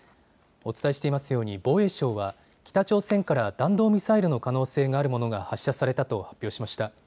お伝えしていますように防衛省は北朝鮮から弾道ミサイルの可能性があるものが発射されたと発表しました。